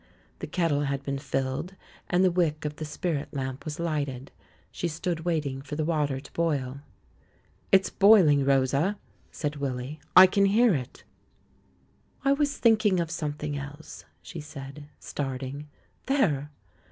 The kettle had been filled, and the wick of the spirit lamp was lighted; she stood waiting for the water to boil. "It's boiling, Ilosa," said Willy; "I can hear it." 134 THE MAN WHO UNDERSTOOD WOMEN "I was thinking of something else," she said, starting. ... "There!"